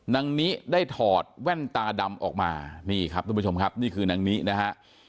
นางนิได้ถอดแว่นตาดำออกมานี่ครับทุกผู้ชมครับนี่คือนางนินะฮะ